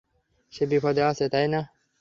সে বিপদে আছে, তাই না?